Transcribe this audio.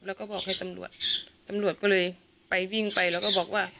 แล้วก็บอกให้ตำรวจตำรวจก็เลยไปวิ่งไปแล้วก็บอกว่า